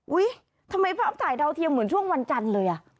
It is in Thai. ทำไมภาพถ่ายดาวเทียมเหมือนช่วงวันจันทร์เลยอ่ะ